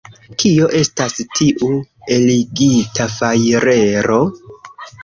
Kio estas tiu eligita fajrero?